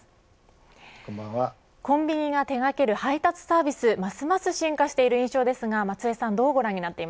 コンビニが手掛ける配達サービス、ますます進化している印象ですが松江さん